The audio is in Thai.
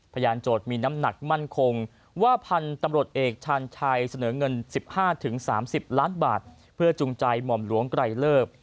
โจทย์มีน้ำหนักมั่นคงว่าพันธุ์ตำรวจเอกชาญชัยเสนอเงิน๑๕๓๐ล้านบาทเพื่อจูงใจหม่อมหลวงไกรเลิฟ